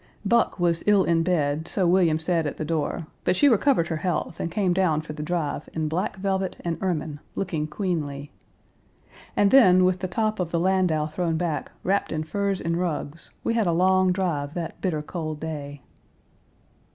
Page 266 Buck was ill in bed, so William said at the door, but she recovered her health and came down for the drive in black velvet and ermine, looking queenly. And then, with the top of the landau thrown back, wrapped in furs and rugs, we had a long drive that bitter cold day.